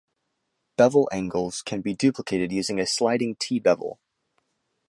Bevel angles can be duplicated using a sliding T bevel.